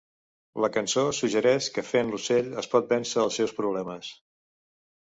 La cançó suggereix que "fent l'ocell", un pot vèncer els seus problemes.